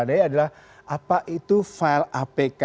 adanya adalah apa itu file apk